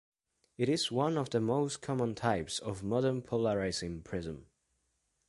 It is one of the most common types of modern polarizing prism.